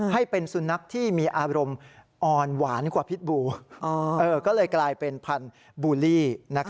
ให้เป็นสุนัขที่มีอารมณ์อ่อนหวานกว่าพิษบูก็เลยกลายเป็นพันธุ์บูลลี่